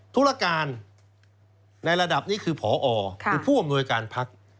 ธุรการในระดับนี้คือพอคือผู้อำนวยการพัก